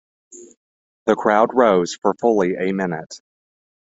The crowd rose for fully a minute.